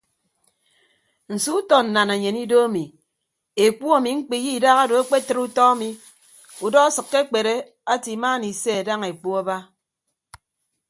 Nso utọ nnanenyen ido ami ekpu ami mkpiye idahado akpetịd utọ ami udọ asịkke akpere ate imaana ise daña ekpu aba.